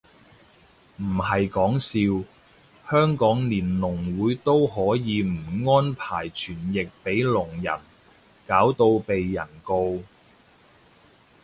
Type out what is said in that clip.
唔係講笑，香港連聾會都可以唔安排傳譯俾聾人，搞到被人告